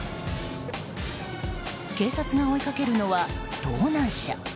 警察が追いかけるのは盗難車。